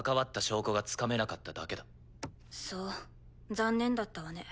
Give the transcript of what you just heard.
残念だったわね。